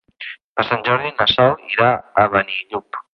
Per Sant Jordi na Sol irà a Benillup.